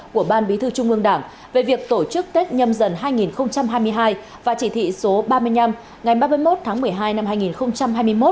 của ban bí thư trung ương đảng về việc tổ chức tết nhâm dần hai nghìn hai mươi hai và chỉ thị số ba mươi năm ngày ba mươi một tháng một mươi hai năm hai nghìn hai mươi một